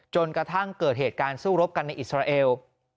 จนกระทั่งเกิดเหตุการณ์สู้รบกันในอิสราเอล